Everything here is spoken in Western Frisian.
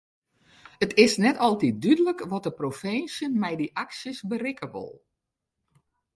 It is net altyd dúdlik wat de provinsje met dy aksjes berikke wol.